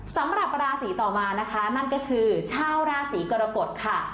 สำหรับราศีต่อมานะคะนั่นก็คือชาวราศีกรกฎค่ะ